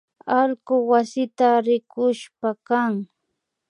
Allku wasita rikushpakan